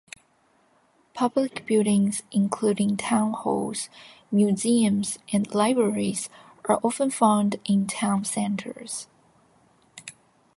Public buildings including town halls, museums and libraries are often found in town centres.